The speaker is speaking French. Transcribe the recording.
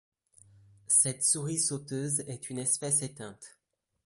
Cette souris sauteuse est une espèce éteinte.